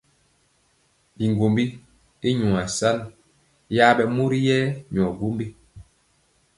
Biŋgombi i vaŋ san, yaɓɛ mori yɛ nyɔ gwombi.